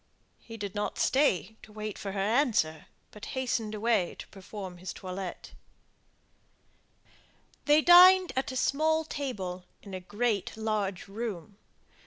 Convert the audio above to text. He did not stay to wait for her answer, but hastened away to perform his toilette. They dined at a small table in a great large room.